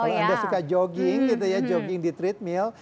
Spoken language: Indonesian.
kalau anda suka jogging jogging di treadmill